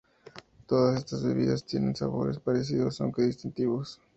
Todas estas bebidas tienen sabores parecidos, aunque distintivos.